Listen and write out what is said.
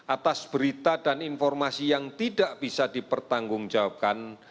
atas berita dan informasi yang tidak bisa dipertanggungjawabkan